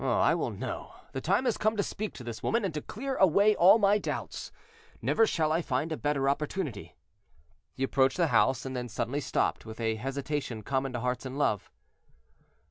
Oh, I will know; the time has come to speak to this woman, and to clear away all my doubts. Never shall I find a better opportunity." He approached the house, and then suddenly stopped, with a hesitation common to hearts in love.